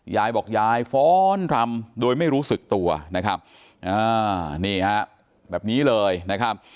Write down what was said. ยายบอกยายฟ้อนรำโดยไม่รู้สึกตัวนะครับนี่ฮะแบบนี้เลยนะครับ